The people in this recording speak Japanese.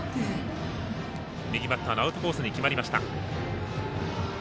右バッターのアウトコースに決まりました。